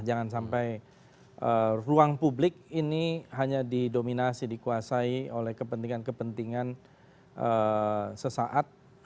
jangan sampai ruang publik ini hanya didominasi dikuasai oleh kepentingan kepentingan sesaat